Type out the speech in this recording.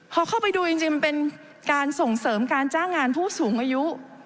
พอเข้าไปดูจริงมันเป็นการส่งเสริมการจ้างงานผู้สูงอายุ